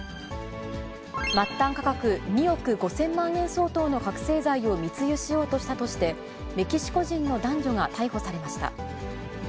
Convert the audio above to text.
末端価格２億５０００万円相当の覚醒剤を密輸しようとしたとして、メキシコ人の男女が逮捕されました。